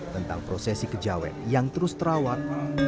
tentang prosesi kejawet yang terus terawat